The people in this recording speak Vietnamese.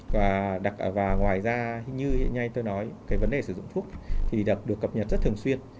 và như hiện nay tôi nói cái vấn đề sử dụng thuốc thì được cập nhật rất thường xuyên